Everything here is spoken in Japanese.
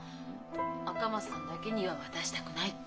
「赤松さんだけには渡したくない」って。